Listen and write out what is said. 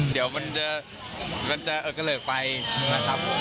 เดี๋ยวมันจะเออกระเลิกไปนะครับผม